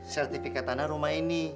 sertifikat tanah rumah ini